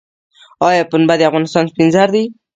آیا پنبه د افغانستان سپین زر دي؟